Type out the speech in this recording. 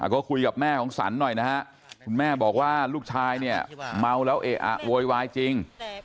ก็คุยกับแม่ของสันหน่อยนะฮะคุณแม่บอกว่าลูกชายเนี่ยเมาแล้วเอะอะโวยวายจริง